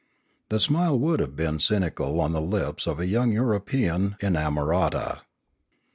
The smile would have been cynical on the lips of a young Euro pean inamorata.